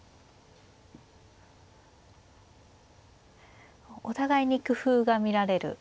お互いに工夫が見られる展開ですが。